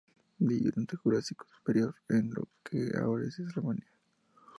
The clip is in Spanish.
Vivió durante el Jurásico Superior en lo que ahora es Alemania.